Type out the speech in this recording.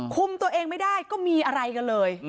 คุมตัวเองไม่ได้ก็มีอะไรกันเลย